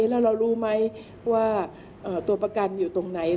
แล้วเรารู้ไหมว่าตัวประกันอยู่ตรงไหน